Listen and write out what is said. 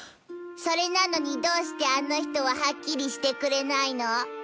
それなのにどうしてあの人ははっきりしてくれないの？